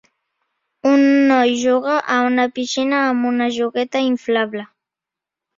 Un noi juga a una piscina amb una jugueta inflable.